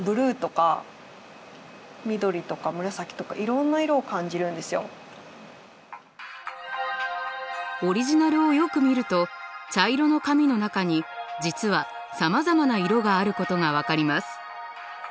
例えばオリジナルをよく見ると茶色の髪の中に実はさまざまな色があることが分かります。